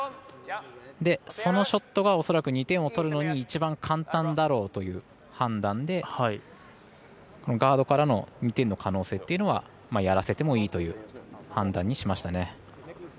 そのショットが恐らく２点を取るのに一番簡単だろうという判断でガードからの２点の可能性っていうのはやらせてもいいという判断にしました。